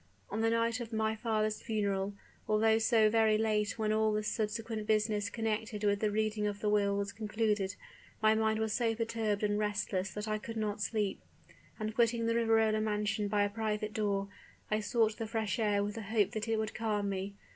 On the night of my father's funeral, although so very late when all the subsequent business connected with the reading of the will was concluded, my mind was so perturbed and restless that I could not sleep; and quitting the Riverola mansion by a private door, I sought the fresh air with the hope that it would calm me.